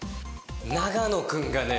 長野君がね。